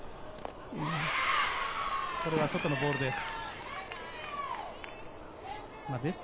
これは外のボールです。